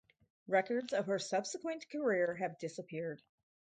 Records of her subsequent career have disappeared.